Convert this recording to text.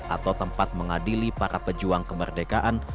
atau tempat mengadili para pejuang kemerdekaan